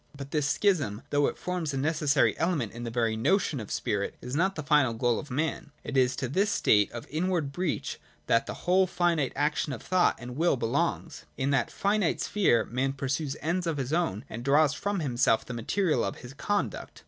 But this schism, though it forms a necessary element in the very notion of spirit, is not the final goal of man. It is to this state of inward breach 1 that the whole finite action of thought and will belongs. ' In that finite sphere man pursues ends of his own and draws from himself th e material of his con duct.